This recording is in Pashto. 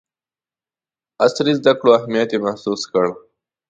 عصري زدکړو اهمیت یې محسوس کړ.